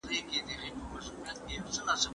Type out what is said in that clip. د کار سړی پېژندل کيږي.